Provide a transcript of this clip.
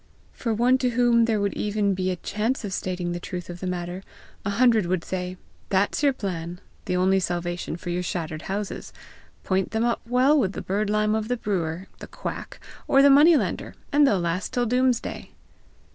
For one to whom there would even be a chance of stating the truth of the matter, a hundred would say, "That's your plan! The only salvation for your shattered houses! Point them up well with the bird lime of the brewer, the quack, or the money lender, and they'll last till doom'sday!"